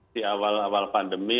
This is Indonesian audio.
di awal awal pandemi